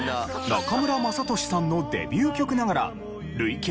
中村雅俊さんのデビュー曲ながら累計